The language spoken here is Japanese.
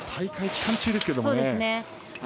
大会期間中ですけどもね。